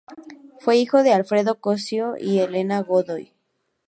Fue hijo de Alfredo Cossio y Elena Godoy.